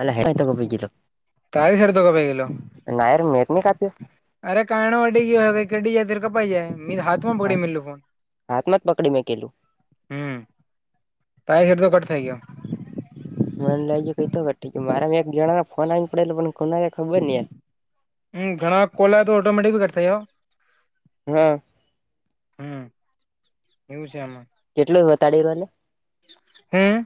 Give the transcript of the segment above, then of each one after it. અલા હે હોઇ ગઈ તો, તારી શરતો કપાઈ ગયેલો નાયર મેંક નહી કાપ્યો, અરે કણવાડી ગય કેડી જાયે કપાઈ જાય મી હાધ તો બકડે મલું ફોન હાથમાં જ પકડી મેં કેલું હમ તાય એટલો કટ થય ગયો. મને લજે કઈતો ઘટી ગયું કે મારાં એક જણા ના ફોન આવીને પડેલો પણ ખુનયે, હમ ઘણા કોલ તો ઓટોમેટિક બી કટ થયો, હા હમ એવું છે આમાં કેટલું બતાડી રહ્યુંને હમ.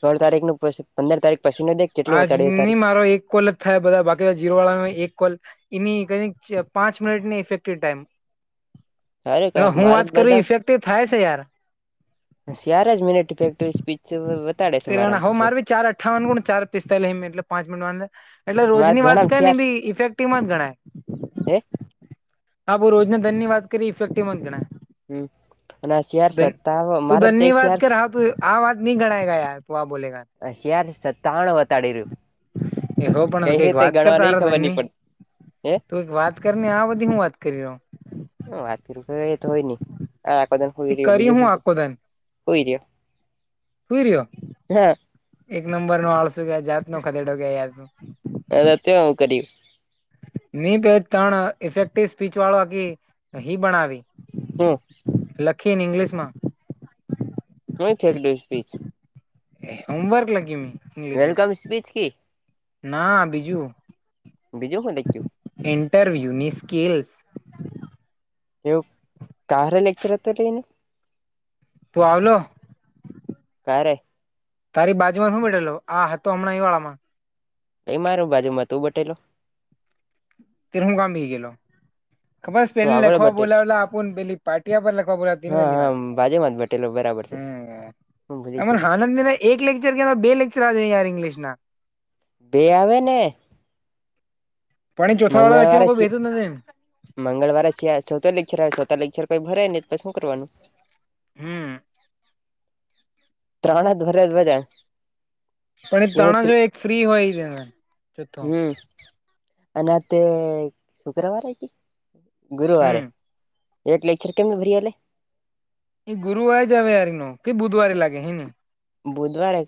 સોળ તારીખ નું પી પંદર તારીખ પછી નુ દેખ કેટલું વતાડય અતારી તારો એક કાલ થાય બધા બાકી જીરવાળા એક કોલ એની ક પાંચ મિનિટ ને ઇફેક્ટડ ટાઈમ અરે કાર એટ હું મારા વાત કરું બધા ઇફેક્ટિવ થાય છે યાર. સ્યાર જ મિનટેક સ્પી [inaudible] તે માર ચાર અઠાવ વાન ગ ચાર પિસ્લીસિટ પાંચ મિનટ વા એટલે રોજ મારે ની વાત જણામ કર ને ચાર બી ઇફેક્ટિવમાં જ ગણાય. હે હા ભો રોજના ધન ની વાત કરી ઇફેક્ટિવ મા જ ગણાય. હમ અને શિયારસ ધન ત તું મારો ધનની [unintelligible] વાત શારસ કર હા તું આ વાત ની ઘાયે ગ યાર તો આ બોલેગા હશયાર સત્તાણું વતાડી એ હો રહ્યું પણ કઈ કઈક રીતે વાત કર ગણવા નઈ તારા ખબર નની ધનની પડ તું એક વાત કરીને આ બધી હું વાત કરી રહ્યો.? હ આ તો હોય નહી આ આ રહ તે કરી હું બીજું તો આખો હો રહ્યો, સુૂર્ય. હા. એક નંબર નો આળસું ક જાતનો ખદેડો ગયા યાર ત હ દત આવું કર્યું, મી પે ત્રણ ઇફેક્ટિવ સ્પીચ વાળો હકી હી બણાવી. હમ. લખી ને ઇંગ્લિશ માં. હ ફેંક ડઉશ પીચ, [inaudible] એ હોમવર્ક લાગી મ. ઇંગ્લશ વેલકમ સ્પીચ કી ના બીજું બીજું હું લખ્યું ઇન્ટરવ્યુની સ્કિલ્સ. એવું કારે લેક્ચર હતો્યારે એનું તું આવલો.? કારે તારી બાજુમાં શું બેઠેલો આ હતો હમણાં અહીં વાળામાં કઈ માર બાજુ માં તું બટેલો,? તિહુંંગામી ગલો.? ખબર તું પેલી આગળ લખવા બટેલ બોલાવલા આપણ પેલી પાાર્ટિયા પર લખવા બોલાવ તીને. હા હા બાજમાંત બે ટલો બરાબર છે હમ હું ભૂલી અમને ગયેલો હનંદિ ના એક લેક્ચર કે અવા બે લેક્ચર આવ યાર ઇગ્લિશ ના બે આવેને પણણી ચોથા વાળા લેક્ચર મંગળવારે માં કોઈ છે બેહેતું નથી એમ. મંગળવારે છો લેક્ચર છો લેક્ચર કોઈ ભરેય ને તો શું કરવાનું? હમ ત્રણ જ ભરે બધા પણ એ ત્રણ જ એક ફ્રી હોય છે. હમ અને તે શુક્રવારે કે હમ ગુરુવારે? એક લેક્ચર કેમમે ભરીયલે? એ ગુરુવાર એજાવ આ ન કે બુધવારે લાગે હેને બુધવારે?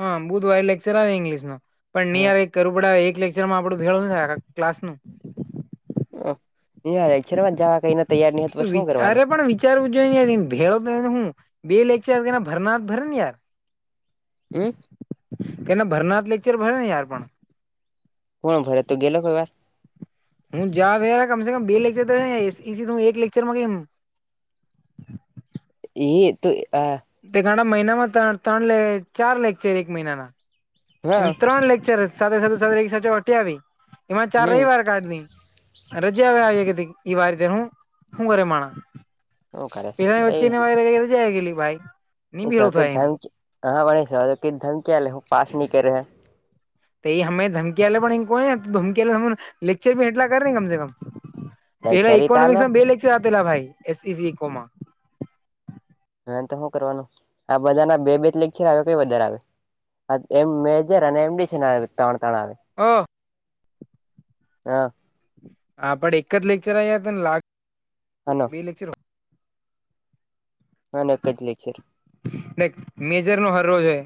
હા બુધવાર લેક્ચર આવે ઇંગ્લિશ નો પણ હા નિયર કરું પડે એક લેક્ચર માં આપણું ભેળું નથી થાય ક્લાસ નું ન છે જવા કઈને તૈયાર નહી તો શું કરવાનું? લેચાર ને ભેળો હું બે લેકચારને ભરનાથ ભરે યાર હમ કેના ભરનાર લેક્ચર ભરે ને યાર પણ. કોણ ભર તું ગેલો કોઈ વાર? હું યાદ કમસે ક બે લેક્ચર તો એક લેક્ચરમાં કેમ? એ તો આ તે ઘણા મહિનામાં ત્રણ ત્રણ અ ચાર લેકચર છે એક મહિનાના એમ ત્રણ લેક્ચર સાથે સાથે સાથે એક સાથે હટ આવી એમાં ચાર હમ રવિવાર કાઢ દે. રજા આે હતી એ વાારી દેનું હ હૂંગરે માણા.? શું કરે પિલાની વચ્ચીને વગરે વગેરે જએ ગેલી ભાઈ ની [inaudible] ભેળું થાય એમ ધમકી હ પાસ ન કરેૈ. તો એ અમે ધમકીલા પણ એ કોણ ધમકી ધ લેક્ચર બી એેટલા કરે ને કમસે કમ પેલા લેક્ચર તાલવા ઇકોનોમિક્સમાં બે લેક્ચર આપેલા ભાઈ એસસીકોમાં. આન તો હું કરવાનું આ બધા ના બે બે ત લેખ છે આના કય વધારે આવે. એમ મેજર અને એમડીસી ના ત્રણ કાર્ડ આવે. હો. હા. હા પણ એક જ લેક્ચર આયતા ને લાગ હલો. બે લેક્ચર હનો એક જ લેક્ચર હે મેજરનો હર રોજ હૈ.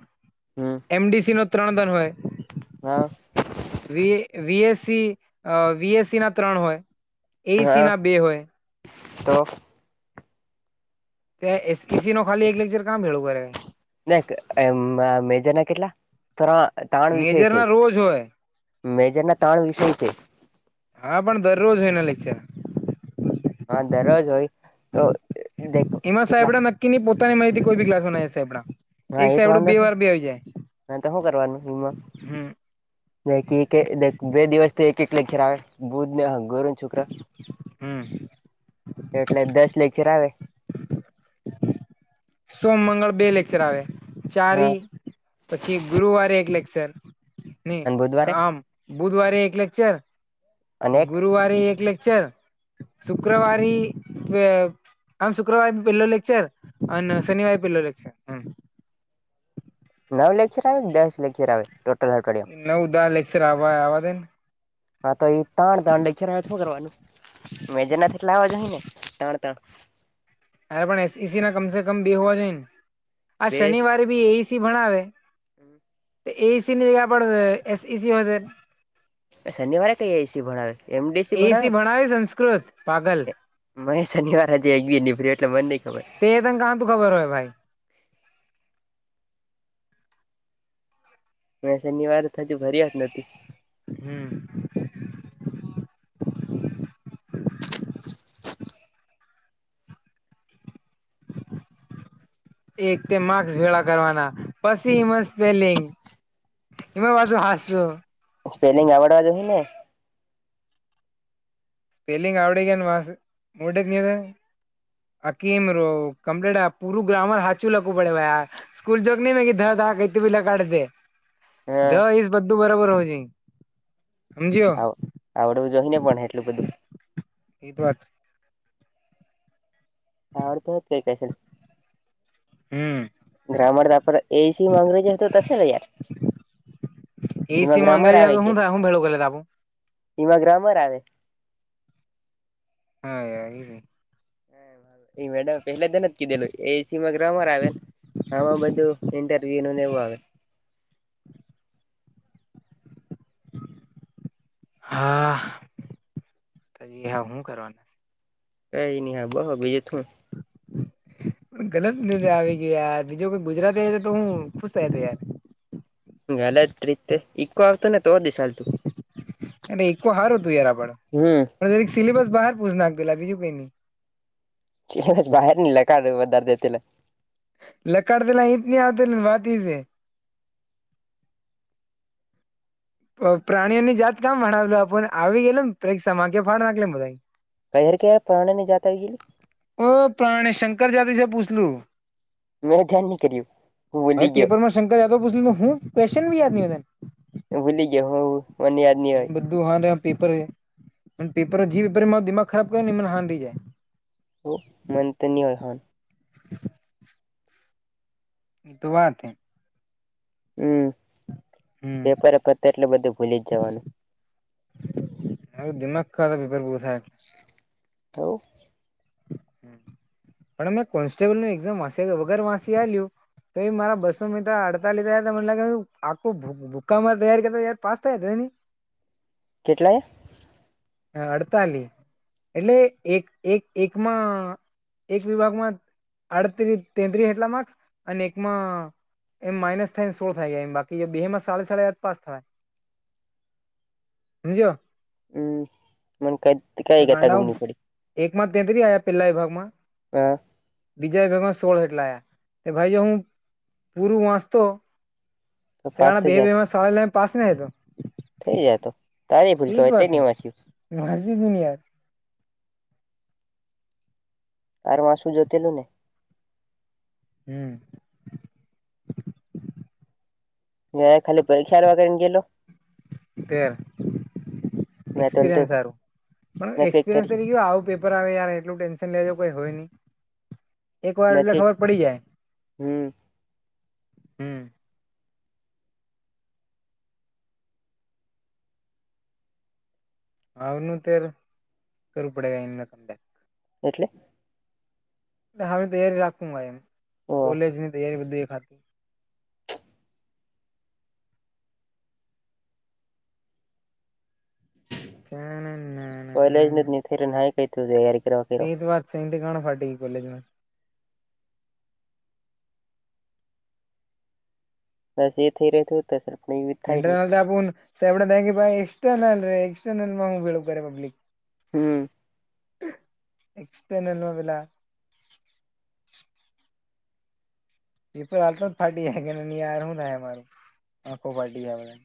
હમ એમ ડી સી નો ત્રણ વાર હોય. હા. વી વીએસસી, વીએસસી ના ત્રણ હોય એ એસી હા ના બે હોય. તો કે એસ એક લેક્ચર કામ ભેળું કરે. ના એમ મેજર ના કેટલા ત ત્રણ વિષય છે. પૂજ હોય. મેજરના ત્રણ વિષય છે. હા પણ દરરોજ હોઈ એના લેક્ચર. હા દરરોજ હોય તો દેખ કેટલા કેની પોતાની મેહનત થી કોઈ બી ક્લાસમાં બનાવશે આપણા. હા એ તો વાંધો છે. તો હું કરવાનું ઇમાં હમ નય કી કે બે દિવસ તો એક એક લેક્ચર આવે બુધ ને ગુરુ છોકરા હમ એટલે દસ લેક્ચર આવે. સોમ, મંગળ બે લેક્ચર આવે ચાર હા ઈ પછી ગુરુવારે એક લેક્ચર. ની અને બુધવારે આમ બુધવારે એક લેક્ચર અને એક ગુરુવારે એક લેક્ચર શુક્રવારી ઈ આમ શુક્રવારે પેલો લેક્ચર અને શનિવારે પેલો લેક્ચર હમમ. નવ લેક્ચર આવે કે દસ લેક્ચર આવે. ટોટલ [unintelligible] નવ દા લેક્ચર આવે આવવા દે ની. હા તો એ તાણ દાંડ લેક્ચર આવે તો હું કરવાનું. મેજર ના કેટલા લાવવા ની ને ત્રણ ત્રણ અરે પણ એસસી ના કમસે કમ બે હોવા જોઈ ને આ શનિવારે પણ એઈસી ભણાવે. હમમ. એઈસી ની એના પણ એસઇસી [unintelligible] શનિવારે કઈ એઈસી ભણાવે એમડીસી એઈસી ભણાવે સંસ્કૃત પાગલ ને. મેં શનિવાર હજી એક બી નીભર્યું એટલે મને ની ખબર. તે તને કા તું ખબર હોય ભાઈ. મે શનિવાર હજુ ભર્યા જ નથી. હમમ. [inaudible] એક તે માર્સ ભેળા કરવાના, પછી એમાં સ્પેલિંગ એમાં પાછું હાસું. સ્પેલિંગ આવડવા જો હી ને? સ્પેલિંગ આવડે ગયા ને વા મોઢે ગીયુ. આકીમ રો કમપ્લેટ પૂરું ગ્રામર હાચુ લખવું પડે ભાઈ આ સ્કૂલ જોગ ની ધા કઈ ત બિલા કાઢજે. દ હા ઈસ બધું બરાબર હોવુ જોઈએ હમજ્યો. આવ આવડવું જોઈ ને પણ એટલું જલ્દી. એ તો વાત છે. આવડ હોય કઈ કેશેને. હમ્મ. ગ્રામર તો આપ એ સી માં અંગ્રેજી હતો તો તશે ને યાર? એ એમાં સીમાં ગ્રામર અંગ્રેજી હું થાય હું ભળું કર લેતે આપણું? ઈમાં ગ્રામર આવે. હા યાર ઈ ની એ મેડમ પેહલા દિન અ જ કીધેલુ એ સી માં ગ્રમર આવે, આમાં બધું ઇન્ટરવ્યુનું ને એવું આવે. હા, કરીએ હવ હું કરવાના? કઈ નહી હા બો બીજુત હું? હ. પણ ગલત નથી આવી ગ્યો યાર બીજો કોઈ ગુજરાતી હોતે હું, ખુશ થઈ આતે યાર. ગલત રીતે ઈકો આવતો ને તો દી સા. એને ઈકો હારું હતું યાર આપડને. હમ્મ. જરીક સિલેબ બાર પૂછી નાખતે લા બીજું કઈ ની. સિલેબસ બાર ની લકાઢ પદાર્ધ દેતે લા. લકાર દેલા ઇતની આવતીને વાત ઈ સે. પ્રાણીઓની જાત કામ ભણાવલુ આપને પણ આવી ગેલુને પરીક્ષામાં એક સમાખ્યા [unintelligible] કયાર કયા પ્રાણી ની જાત આવી ગેલી? ઓ પ્રાણી શંકર જાતિ છે પૂછલું. મે ધ્યાન ની કર્યું. હું ભાઈ ભૂલી ગયો પેપર માં શંક યાદવ પૂછ લીધું, હું ક્એસશન બી યાદ ની હોય તને? ભૂલી ગ્યો હું, મને યાદ ની હોય. [unintelligible] હા પપર પેપર અન જે પપર દમાગ ખરાબ કરે ને મને હાડ રઈ જાય. તો મનંતલી [unintelligible] [unintelligible] ઈ તો વાત એ. હમ્મ, હમ પેપરે પતે એટલે બધું ભૂલી જ જવાનું. હવ દિમાખ ખરાબ પેપર પૂરું થાય. તોવ. પણ અમે કોન્સ્ટેબલ નું એક્ઝામ વાસ્યા વગર વાંસીલે આલ્યું તો મારા બસો મિત્ર અડતાલી આયા તા મને લાગે આખું ભૂક્કામાં તૈયાર કરતા યાર પાસ થાય [unintelligible] કેટલા આય? અડતાલી, એટલે એક એક એકમાં એક વિભાગમાં આડત્રી તેત્રીસ જેટલા માર્ક્સ અને એકમાં એમ માઇનસ થાય ને સો થાઈ જાય એમ બાકી બે માં સાડા સાડા આ પાસ થવાય જો હમ્મ મન ક તે ગાંડા, એકમાં તેહત્રી આયા પેલા વિભાગમાં? હા બીજા વિભાગમાં સોળ જેટલા આયા, તે ભાઈ જે હું પૂરું વાંચતો તો પાસ ના થઈ જાત બેવીમાં સવા પાસ ન તો. થઈ જાય તો. [unintelligible] આર માસું જતેલું ને. હમ્મ. [unintelligible] ખાલી પરીક્ષા વગેરને ગેલો? તેર મે તો ઉલટું એક્સપિરિયન્સ હારું પણ મે પેક એક્સપિરિયન્સ કરી તરી આવું પે પર આવે યાર એટલું ટેન્શન લેજો કોઈ હોય ની. એક વાર મે એટલે પેક ખબર પડી જાય હમ હમ. હનું તો કરું પડે. [unintelligible] એટલે. એ હ તૈયારી રાખું એમ ઓહ કોલેજ ની તૈયારી બધું એક ખાત [inaudible] કોલેજ નથીને [unintelligible] કઈ તું તૈયારી કર. એ તો વાત સહીથી ઘણ ફાટી ગઈ કોલેજમાં. બસ એ થઈ રહેતું તો સર. ઇન્ટરનલ તો આપ સેબડ કે ભાઈ એક્સટર્નલ રે એક્સટર્નલમાં [unintelligible] કરે પબ્લિક. હમ. એક્સટર્નલમાં [unintelligible] પેપર હાલતો ફાટી કે ની હારું ના અમારું આંખો ફાટી.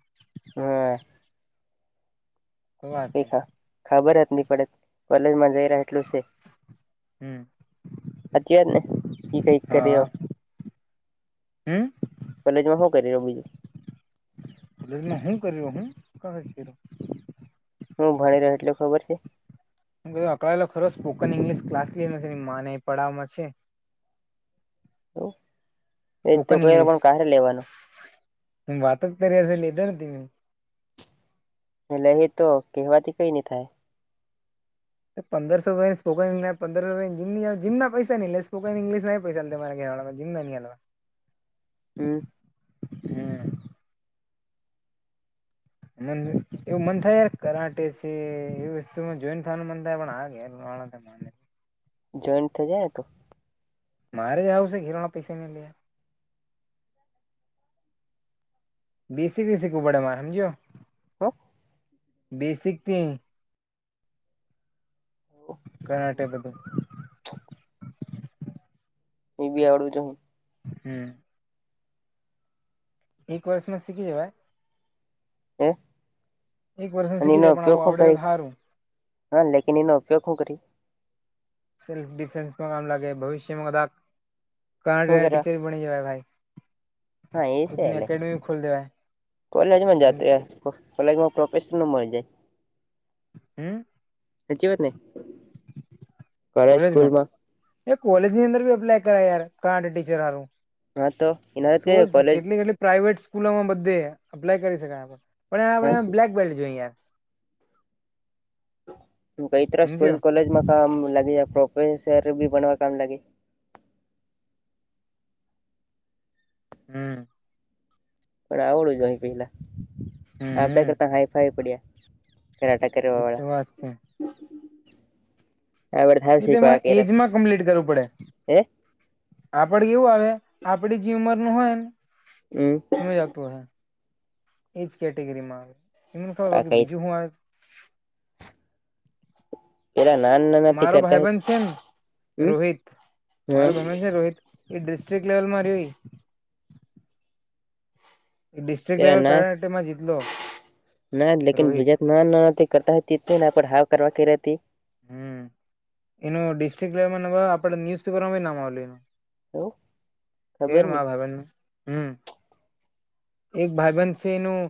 હા. શું વાત હે ખા ખબર જ નહી પડે કોલેજમાં જઈ રહ્યા એટલું છે. હમ સાચી વાત ને એ કઈક હા કરીયો. હમ. કોલેજમાં શું કરી રહ્યો બીજું. એ શું કર્યો હું ક્યો. હું ભણી રહ્યો એટલું ખબર છે. હધ અકળેલો ખરો સ્પકન ઈંગ્લિશ ક્લાસ લઈને માને એ પડાવવામાં છે. [inaudible] ક સ્પોકન ઇંગ્લિશ પણ કારે લેવાનો વાત જ કરીયા લીધા તમે. [unintelligible] તો કહેવાથી કઈ નઈ થાય. પંદરસો ર સ્પોકન પંદરો રમ જીમના પૈસાહી સ્પોન ઇંગ્લિશ પૈસા [unintelligible] જીમ ની અલવા. હમ. મ એવું મન થાય યાર કરાંટે છે એ વસ્તુ જોઈન થવાનું મન થાય [unintelligible] [inaudible] જોઈન્ટ થઈ જાય તો. મારે [unintelligible] ઘેરવાના પૈસા [unintelligible] બીસી બીસી શિખવું પડે મારે સમજ્યો. [inaudible] બેસિકથી. [inaudible] કરાટે બધા. [inaudible] એબી આવડું જોઈએ. હમ. એક વર્ષ માં શીખી જવાય. [inaudible] એક વર્ષે અને શીખી એનો જ પણ ઉપયોગ આવું હું કરી આવડેલું સારું. હા લેકીન એનો ઉપયોગ હું કરી? સેલ્ફ ડિફેન્સમાં કામ લાગે ભવિષ્યમાં શું કરવા ટીચર બની જવા ભાઈ હા એઈસે ખુદની ને એકેડમી ખોલી દેવાય કોલેજ બી જાતે કોલેજમાં પ્રોફેશનલ મળી જાય હમ. હાચી વાતને? કોલેજમાં કોલેજની અંદરી અપ્લાય કરાટે ટીચર હરું. હા તો એના ક શું કોલેજ કેટલી કેટલી પ્રાઈવેટ સ્કૂલોમાં બધે અપ્લાય કરી શકાય આમા. પણ આપડણે કઈ બ્લેક બેલ્ટ જોઈએ. કઈ ટ્રસ્ટ સ્કૂલ સમજ્યો કોલેજ માં કામ લાગી પ્રોફેસર બી બનવા કામ લાગી હમ્મ [unintelligible] પેલા આપડા હમ કરતા હાઈ ફાઈ પડ્યા કરટ એ તો વાત છે આવડ થાવ એ શીખવા તેમાં કે એજમાં કમ્પ્લીટ કરવું પડે હે આપડ એવું આવે આપડી જે ઉમર નું હોય ને હમ હમે હ એજ કેટેગરીમાં આવે તમને આ ખબર કઈ બીજું હુ આવે એરા નાના મારો ભાઈબન છે ને રોહિત હા મારો ભાઈબન છેને રોહિત એ ડિસ્ટ્રિક્ટ લેવલ માં રેય એ ડિસ્ટ્રિક્ટ કે લેવલ ના કર્ણાટકમાં જીતલો ના લેકિન રોહિત બીજ ના ના તે કરતા [unintelligible] હમ્મ એનું ડિસ્ટ્રિક્ટ લેવલમાં આપડે ન્યુઝપેપર માં નામ આવેલું એનું તેર ખબર નહી મા [unintelligible] હમ્મ એક ભાઈ બન છે એનું